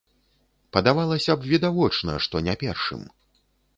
Падавалася б, відавочна, што не першым.